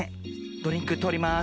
ドリンクとおります。